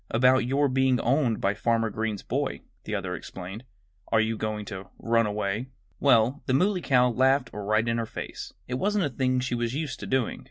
"About your being owned by Farmer Green's boy," the other explained. "Are you going to run away?" Well, the Muley Cow laughed right in her face. It wasn't a thing she was used to doing.